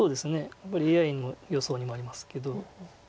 やっぱりＡＩの予想にもありますけど。